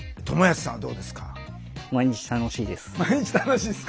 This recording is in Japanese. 毎日楽しいです。